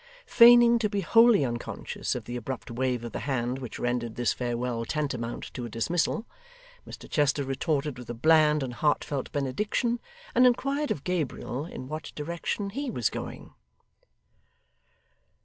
Feigning to be wholly unconscious of the abrupt wave of the hand which rendered this farewell tantamount to a dismissal, Mr Chester retorted with a bland and heartfelt benediction, and inquired of Gabriel in what direction HE was going.